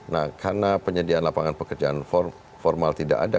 nah karena penyediaan lapangan pekerjaan formal tidak ada